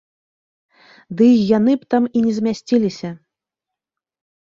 Ды й яны б там і не змясціліся.